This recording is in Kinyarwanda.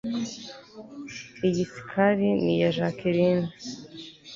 Iyi sikari ni iya Jacqueline